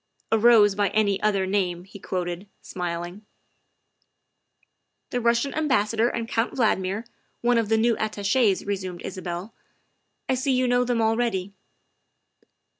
"' A rose by any other name, '" he quoted, smiling. " The Russian Ambassador and Count Valdmir, one of the new Attaches, '' resumed Isabel. '' I see you know them already."